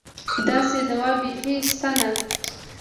داسې دوا بېخي شته نه.